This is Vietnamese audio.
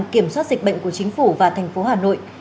kiểm soát dịch bệnh của chính phủ và thành phố hà nội